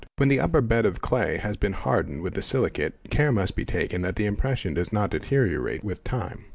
When the upper bed of clay has been hardened with the silicate, care must be taken that the impression does — not deteriorate with time.